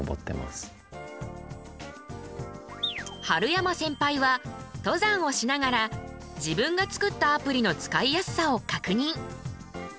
春山センパイは登山をしながら自分が作ったアプリの使いやすさを確認。